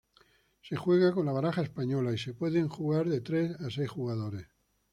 Se juega con la baraja española y pueden jugar de tres a seis jugadores.